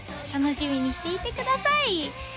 楽しみにしていてください！